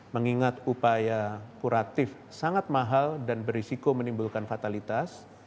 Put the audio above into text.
mengingat upaya kuratif sangat mahal dan berisiko menimbulkan fatalitas